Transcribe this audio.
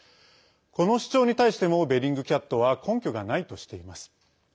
この主張に対してもべリングキャットは根拠がないとしています。